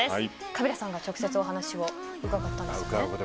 カビラさんが直接お話を伺ったんですね。